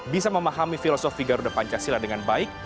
bisa memahami filosofi garuda pancasila dengan baik